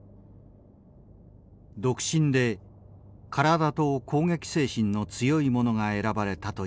独身で体と攻撃精神の強い者が選ばれたという。